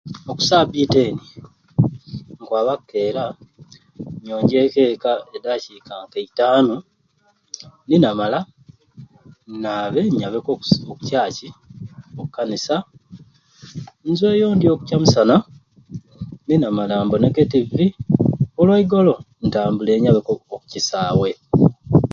Oku sabbiiti eni nkwaba kukeera nyonjeku eka edakiika ka itaanu ninamala nnaabe nyabeku oku SA SA oku ccaaci okukanisa ninamala nzweyo ndye ekyamisana ninamala mboneku e ttivvi olwaigolo ntambula nyabe oku okukisaawe.